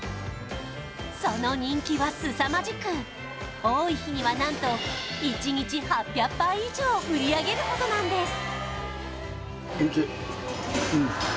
その人気はすさまじく多い日には何と１日８００杯以上売り上げるほどなんです